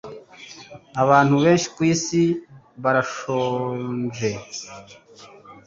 abantu benshi kwisi barashonje